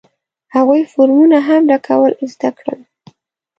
هغوی فورمونه هم ډکول زده کړل.